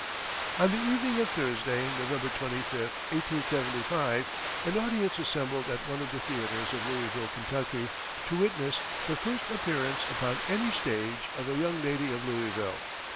On the evening of Thursday, November 25, 1875, an audience assembled at one of the theatres of Louisville, Kentucky, to witness "the first appearance upon any stage" of "a young lady of Louisville."